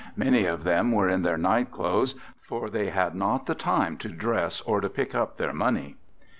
Many of them were in their night clothes, for they had not the time to dress or to pick up their money.